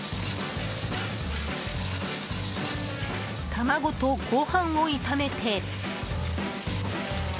卵とご飯を炒めて。